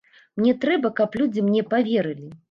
Мне трэба, каб людзі мне паверылі.